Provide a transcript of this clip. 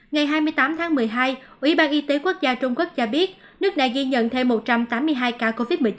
ngày hai mươi tám tháng một mươi hai ủy ban y tế quốc gia trung quốc cho biết nước này ghi nhận thêm một trăm tám mươi hai ca covid một mươi chín